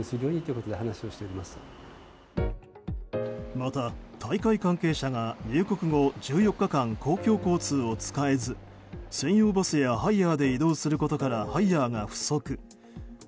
また、大会関係者が入国後１４日間、公共交通を使えず専用バスやハイヤーで移動することからハイヤーが不足。